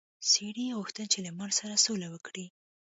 سړي غوښتل چې له مار سره سوله وکړي.